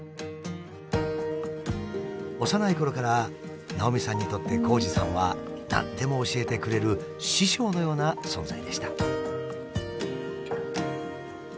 幼いころから直見さんにとって紘二さんは何でも教えてくれる師匠のような存在でした。